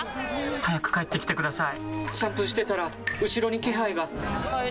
早く帰ってきてください！